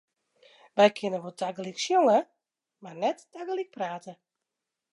Wy kinne wol tagelyk sjonge, mar net tagelyk prate.